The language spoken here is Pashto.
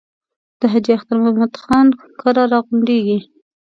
د حاجي اختر محمد خان کره را غونډېږي.